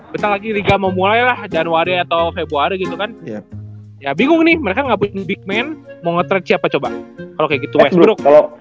besok lagi liga mau mulai lah januari atau februari gitu kan ya bingung nih mereka gak punya big man mau nge trade siapa coba kalo kayak gitu westbrook